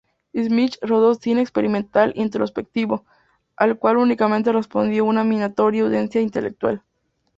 Schmid rodó cine experimental introspectivo, al cual únicamente respondió una minoritaria audiencia intelectual.